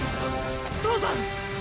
父さん！